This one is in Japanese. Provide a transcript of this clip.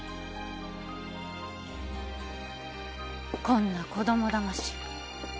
こんな子供だまし